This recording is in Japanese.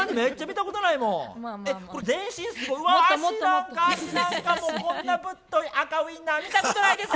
脚なんか脚なんかもうこんなぶっとい赤ウインナー見たことないです。